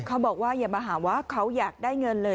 เขาบอกว่าอย่ามาหาว่าเขาอยากได้เงินเลย